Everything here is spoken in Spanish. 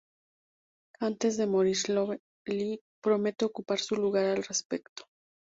Antes de morir Lowe le promete ocupar su lugar al respecto.